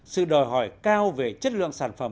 sự đòi hỏi cao về chất lượng sản phẩm